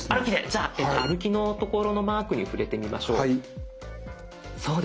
じゃあ歩きの所のマークに触れてみましょう。